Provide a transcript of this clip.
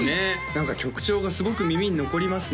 何か曲調がすごく耳に残りますね